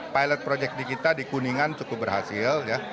pilot project di kita di kuningan cukup berhasil